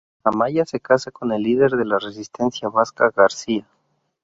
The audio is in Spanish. Amaya se casa con el líder de la resistencia vasca, García.